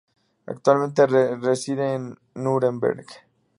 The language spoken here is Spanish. Actualmente reside en Nuremberg.